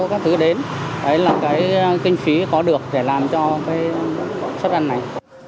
các thứ đến đấy là cái kinh phí có được để làm cho cái suất ăn này